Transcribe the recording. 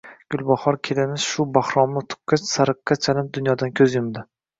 Gulbahor kelinimiz shu Bahromni tuqqach, sariqqa chalinib dunyodan ko`z yumdi